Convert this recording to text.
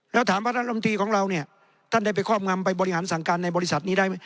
แล้วถามว่ารัฐมนตรีของเราเนี่ยท่านได้ไปครอบงำไปบริหารสั่งการในบริษัทนี้ได้ไหม